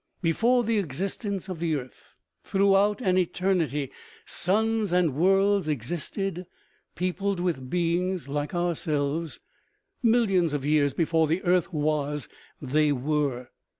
Before the existence of the earth, throughout an eternity, suns and worlds existed, peopled with beings like ourselves. Millions of years before the earth was, they were.